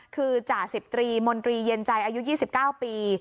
คือจ่าสิบตรีมนตรีเย็นใจอายุ๒๙ปี